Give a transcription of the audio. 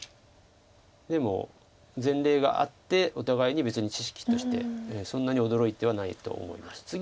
でも前例があってお互いに別に知識としてそんなに驚いてはないと思います。